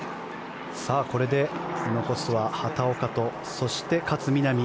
これで残すは畑岡とそして勝みなみ。